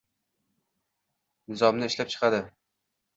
nizomni ishlab chiqadi